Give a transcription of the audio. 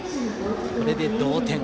これで同点。